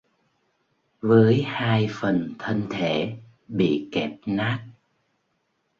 với hai phần thân thể bị kẹp nát